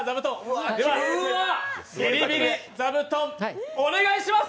ビリビリ座布団お願いします。